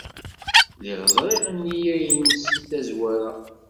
Lliɣ ẓriɣ nneyya-nnes seg tazwara.